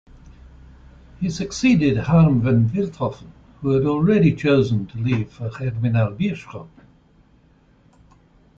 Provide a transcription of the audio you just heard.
He succeeded Harm Van Veldhoven, who had already chosen to leave for Germinal Beerschot.